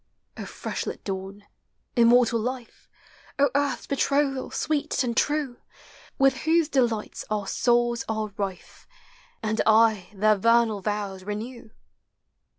O fresh lit dawn! immortal life! O Earth's betrothal, sweet and true, With whose delights our souls are rife. And aye their vernal vows renew